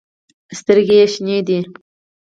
سترګې ېې شنې دي